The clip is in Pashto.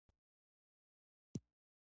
د یو فیسبوکي پوسټ له امله